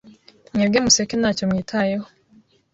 mwebwe museke ntacyo mwitayeho